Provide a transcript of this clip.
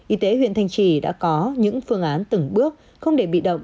y tế huyện thanh trì đã có những phương án từng bước không để bị động